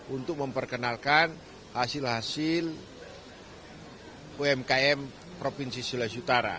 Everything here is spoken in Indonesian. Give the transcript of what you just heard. untuk memperkenalkan hasil hasil umkm provinsi sulawesi utara